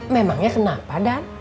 memangnya kenapa dan